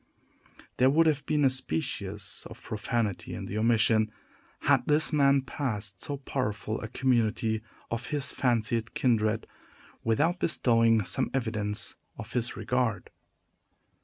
There would have been a species of profanity in the omission, had this man passed so powerful a community of his fancied kindred, without bestowing some evidence of his regard.